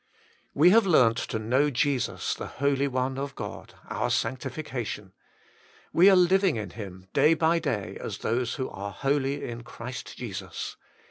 275 We have learnt to know Jesus, the Holy One of God, our Sanctification. We are living in Him, day by day, as those who are holy in Christ Jesus.